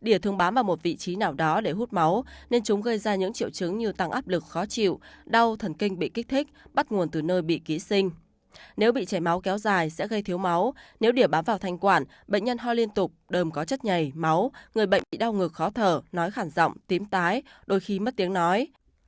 đỉa thường bám vào một vị trí nào đó để hút máu nên chúng gây ra những triệu chứng như tăng áp lực khó chịu đau thần kinh bị kích thích bắt nguồn từ nơi bị ký sinh nếu bị chảy máu kéo dài sẽ gây thiếu máu nếu để bám vào thanh quản bệnh nhân ho liên tục đơm có chất nhảy máu người bệnh bị đau ngực khó thở nói khả giọng tím tái đôi khi mất tiếng nói